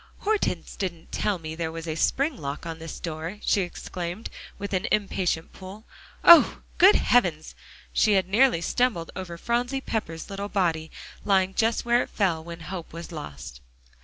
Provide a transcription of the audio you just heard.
"Hortense didn't tell me there was a spring lock on this door," she exclaimed, with an impatient pull. "Oh! good heavens." She had nearly stumbled over Phronsie Pepper's little body, lying just where it fell when hope was lost.